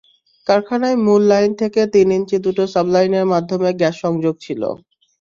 কারখানায় মূল লাইন থেকে তিন ইঞ্চি দুটো সাবলাইনের মাধ্যমে গ্যাস সংযোগ ছিল।